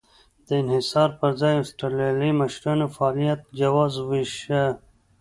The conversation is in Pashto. د انحصار پر ځای اسټرالیایي مشرانو فعالیت جواز وېشه.